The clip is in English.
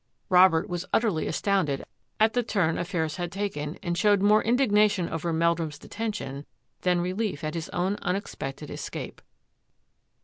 Robert was utterly astounded at the turn affairs had taken and showed more indig nation over Meldrum's detention than relief at his own unexpected escape.